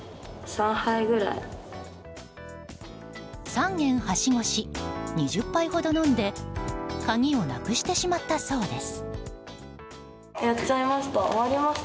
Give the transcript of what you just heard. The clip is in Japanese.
３軒はしごし２０杯ほど飲んで鍵をなくしてしまったそうです。